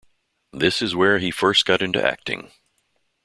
This is where he first got into acting.